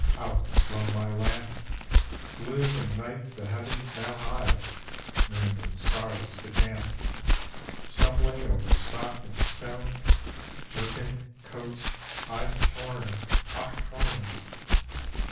Out is blown my lamp, Gloom and night the heavens now hide, Moon and stars decamp. Stumbling over stock and stone, Jerkin, coat, I've torn, ochone!